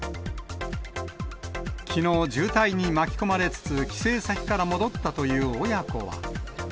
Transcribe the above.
きのう、渋滞に巻き込まれつつ、帰省先から戻ったという親子は。